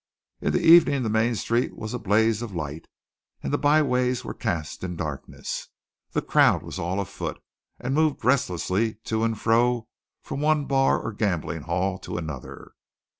In the evening the main street was a blaze of light, and the byways were cast in darkness. The crowd was all afoot, and moved restlessly to and fro from one bar or gambling hell to another.